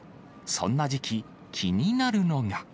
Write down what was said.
そんな時期、気になるのが。